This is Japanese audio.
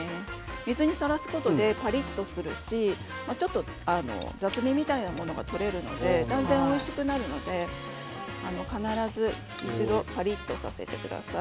水にさらすことでパリっとするしちょっと雑味みたいなものが取れるので断然おいしくなるので必ず一度パリっとさせてください。